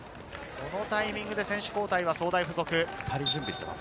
このタイミングで選手交代は長崎総大附属。